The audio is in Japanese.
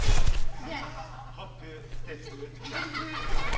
「ホップステップジャンプ！」ぐらい？